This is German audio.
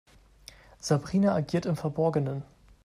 Sabrina agiert im Verborgenen.